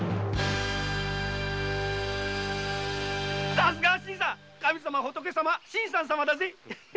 さすがは新さん神様仏様新さん様だね。